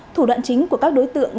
thủ đoạn chính của các đối tượng